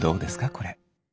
これ。